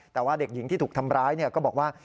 แต่ว่าเด็กหญิงที่ถูกทำร้ายก็บอกว่า